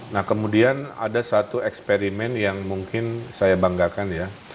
nah kemudian ada satu eksperimen yang mungkin saya banggakan ya